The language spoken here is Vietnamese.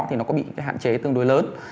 thì nó có bị hạn chế tương đối lớn